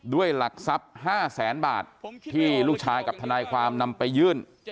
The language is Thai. ด้วยหลักทรัพย์๕แสนบาทที่ลูกชายกับทนายความนำไปยื่น